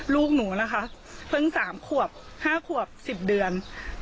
ลูกหนูนะคะเพิ่ง๓ขวบ๕ขวบ๑๐เดือน